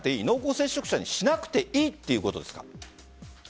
濃厚接触者にしなくていいということですか？